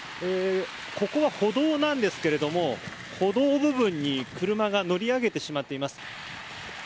ここは歩道なんですけども歩道部分に車が乗り上げてしまっています。